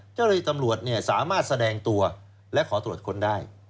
เจ้าหน้าที่ตำรวจสามารถแสดงตัวและขอตรวจค้นได้